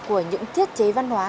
của những thiết chế văn hóa